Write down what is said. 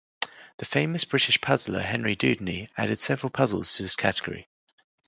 The famous British puzzler Henry Dudeney added several puzzles to this category.